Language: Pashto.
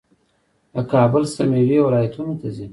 له کابل څخه میوې ولایتونو ته ځي.